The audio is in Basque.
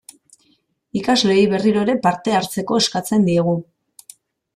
Ikasleei, berriro ere, parte hartzeko eskatzen diegu.